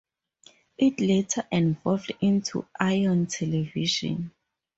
It later evolved into Ion Television.